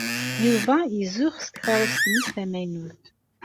Yuba izuxx s tkeṛṛust-nnes tamaynut.